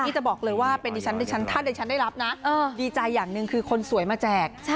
นี่จะบอกเลยว่าถ้าเดชันได้รับนะดีใจอย่างหนึ่งคือคนสวยมาแจก